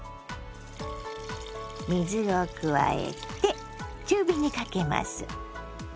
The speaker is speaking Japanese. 水を加えて中火にかけます。